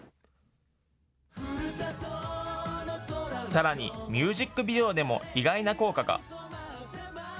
さらにミュージックビデオでも意外な効果が。